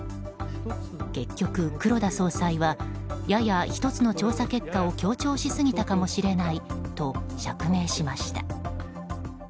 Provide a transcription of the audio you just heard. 結局、黒田総裁はやや１つの調査結果を強調しすぎたかもしれないと釈明しました。